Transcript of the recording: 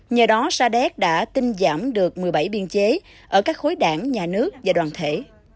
nhờ đó sa đéc đã tinh giảm được một mươi bảy biên chế ở các khối đảng nhà nước và đoàn thể